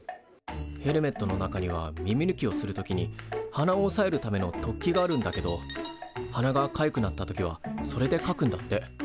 ヘルメットの中には耳ぬきをする時に鼻をおさえるための突起があるんだけど鼻がかゆくなった時はそれでかくんだって。